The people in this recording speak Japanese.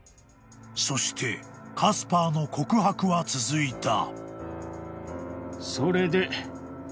［そしてカスパーの告白は続いた］